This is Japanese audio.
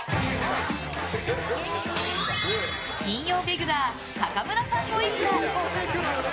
金曜レギュラー坂村さんご一家。